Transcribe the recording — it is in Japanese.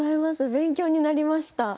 勉強になりました。